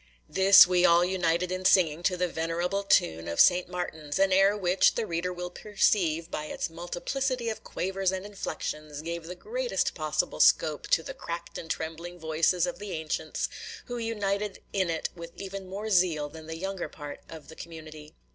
This we all united in singing to the venerable tune of St. Martin's, an air which, the reader will perceive, by its multiplicity of quavers and inflections gave the greatest possible scope to the cracked and trembling voices of the ancients, who united in it with even more zeal than the younger part of the community.